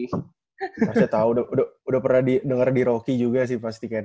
harusnya tahu udah pernah didengar di rocky juga sih pasti kan